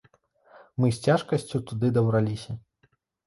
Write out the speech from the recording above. Мы з цяжкасцю туды дабраліся.